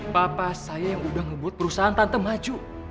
papa saya yang udah ngebut perusahaan tante maju